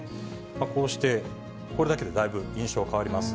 こうしてこれだけでだいぶ印象変わります。